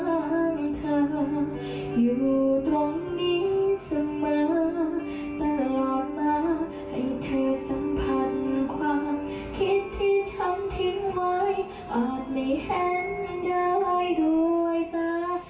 อาจไม่เห็นได้ด้วยแต่ฉันจะฝากว่า